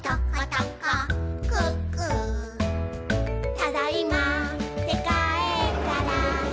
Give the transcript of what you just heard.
「ただいまーってかえったら」